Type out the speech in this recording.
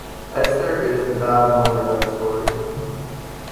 Esther is the bad one in that story.